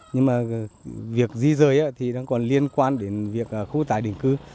nhưng mà việc di rời thì còn liên quan đến việc khu tải đỉnh cư